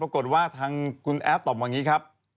ปรากฏว่าทางคุณแอฟตอบมาอย่างนี้ครับ